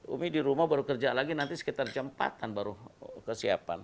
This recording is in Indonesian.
umi di rumah baru kerja lagi nanti sekitar jam empat an baru kesiapan